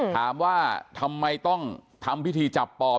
ถามว่าทำไมต้องทำพิธีจับปอบ